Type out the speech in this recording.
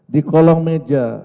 di kolong meja